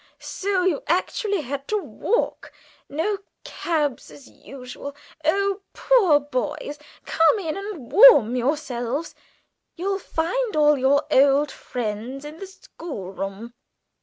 So you actually had to walk. No cabs as usual. You poor boys! come in and warm yourselves. You'll find all your old friends in the schoolroom."